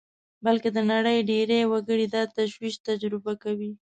بلکې د نړۍ ډېری وګړي دا تشویش تجربه کوي